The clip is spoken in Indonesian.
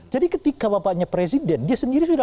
jadi ketika bapaknya presiden dia sendiri sudah